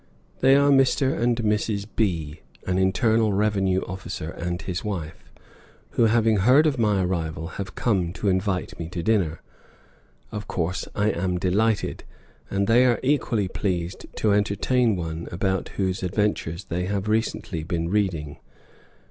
They are Mr. and Mrs. B, an internal revenue officer and his wife, who, having heard of my arrival, have come to invite me to dinner. Of course I am delighted, and they are equally pleased to entertain one about whose adventures they have recently been reading.